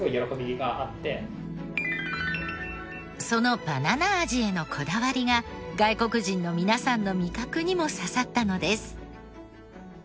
そのバナナ味へのこだわりが外国人の皆さんの味覚にも刺さったのです。